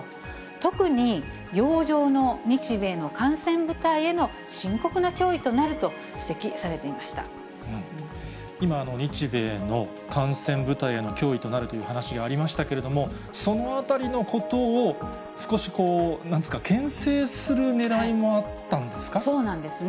特に洋上の日米の艦船部隊への深刻な脅威となると指摘されていま今、日米の艦船部隊への脅威となるという話がありましたけれども、そのあたりのことを少し、なんていうんですか、けん制するねらいそうなんですね。